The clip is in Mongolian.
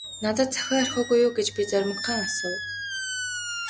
- Надад захиа орхиогүй юу гэж би зоримогхон асуув.